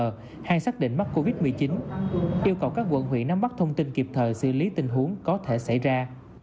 hay xác định mắc covid một mươi chín yêu cầu các quận huyện nắm bắt thông tin kịp thời xử lý tình huống có thể xảy ra